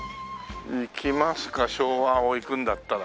行きますか昭和を行くんだったら。